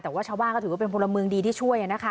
แต่ว่าชาวบ้านก็ถือว่าเป็นพลเมืองดีที่ช่วยนะคะ